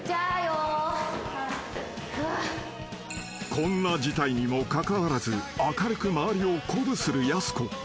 ［こんな事態にもかかわらず明るく周りを鼓舞するやす子］